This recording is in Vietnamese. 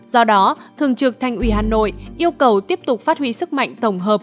do đó thường trược thanh uy hà nội yêu cầu tiếp tục phát huy sức mạnh tổng hợp